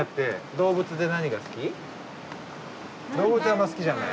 動物あんま好きじゃない？